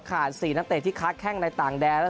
ข่าน๔นักเตศที่คลาดแค่งในต่างแดน